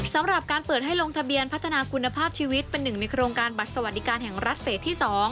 สำหรับการเปิดให้ลงทะเบียนพัฒนาคุณภาพชีวิตเป็นหนึ่งในโครงการบัตรสวัสดิการแห่งรัฐเฟสที่๒